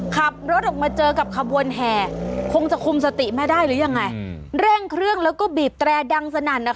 ขับรถออกมาเจอกับขบวนแห่คงจะคุมสติไม่ได้หรือยังไงเร่งเครื่องแล้วก็บีบแตรดังสนั่นนะคะ